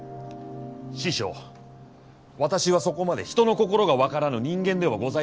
師匠私はそこまで人の心がわからぬ人間ではございません。